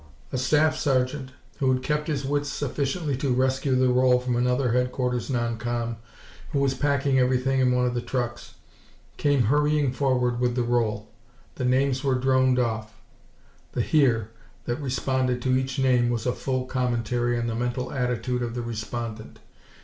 A staff sergeant, who had kept his wits sufficiently to rescue the roll from another headquarters non com who was packing everything in one of the trucks, came hurrying forward with the roll. The names were droned off. The "Here!" that responded to each name was a full commentary on the mental attitude of the respondent.